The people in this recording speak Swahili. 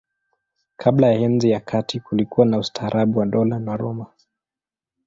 Kabla ya Enzi ya Kati kulikuwa na ustaarabu wa Dola la Roma.